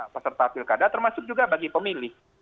peserta pilkada termasuk juga bagi pemilih